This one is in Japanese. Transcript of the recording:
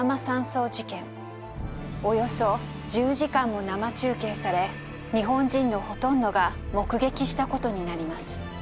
およそ１０時間も生中継され日本人のほとんどが目撃した事になります。